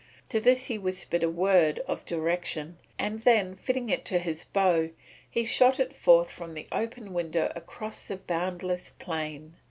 To this he whispered a word of direction, and then, fitting it to his bow, he shot it forth from the open window across the boundless plain.